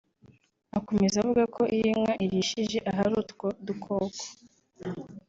Akomeza avuga ko iyo inka irishije ahari utwo dukoko